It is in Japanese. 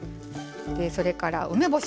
それから梅干し。